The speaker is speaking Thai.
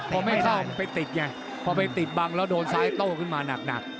พอไม่เข้ามันไปติดไงพอไปติดบังแล้วโดนซ้ายโต้ขึ้นมาหนัก